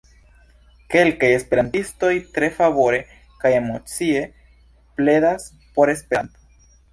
Kelkaj esperantistoj tre fervore kaj emocie pledas por Esperanto.